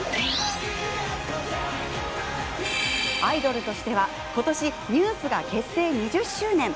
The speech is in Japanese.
アイドルとしては今年、ＮＥＷＳ が結成２０周年。